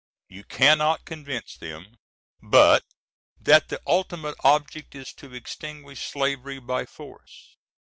You cannot convince them but that the ultimate object is to extinguish slavery by force.